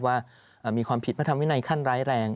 ว่ามีความผิดมาทำไว้ในขั้นร้ายแรง